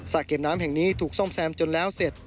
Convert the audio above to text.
เก็บน้ำแห่งนี้ถูกซ่อมแซมจนแล้วเสร็จ